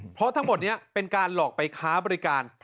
เพราะทั้งหมดนี้เป็นการหลอกไปค้าบริการ